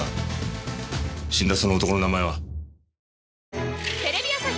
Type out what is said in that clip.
死んだその男の名前は？